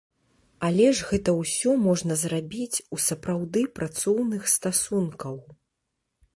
Але ж гэта ўсё можна зрабіць у сапраўды працоўных стасункаў.